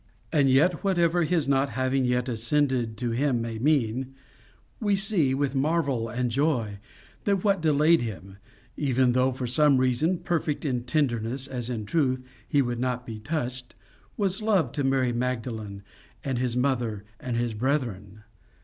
And whatever his not having yet ascended to him may mean, we see, with marvel and joy, that what delayed him even though, for some reason perfect in tenderness as in truth, he would not be touched was love to Mary Magdalene and his mother and his brethren.